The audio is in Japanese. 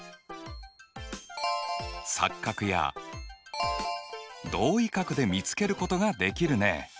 錯角や同位角で見つけることができるね。